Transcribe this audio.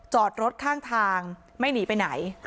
จอดรถข้างทางไม่หนีไปไหน